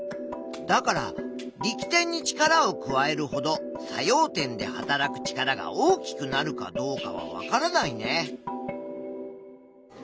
だから力点に力を加えるほど作用点ではたらく力が大きくなるかどうかはわからないね。